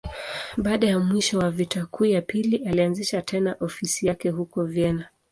Baada ya mwisho wa Vita Kuu ya Pili, alianzisha tena ofisi yake huko Vienna.